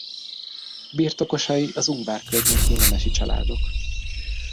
Birtokosai az Ungvár környéki nemesi családok.